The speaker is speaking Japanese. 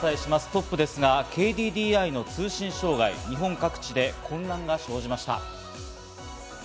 トップはＫＤＤＩの通信障害、日本各地で混乱が生じました。